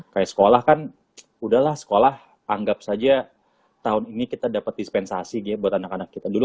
kayak sekolah kan udahlah sekolah anggap saja tahun ini kita dapat dispensasi buat anak anak kita dulu